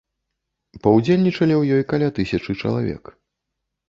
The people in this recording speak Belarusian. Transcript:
Паўдзельнічалі ў ёй каля тысячы чалавек.